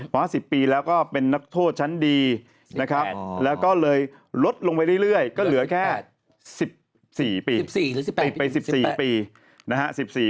พอ๕๐ปีแล้วก็เป็นนักโทษชั้นดีแล้วก็เลยลดลงไปเรื่อยก็เหลือแค่๑๔ปี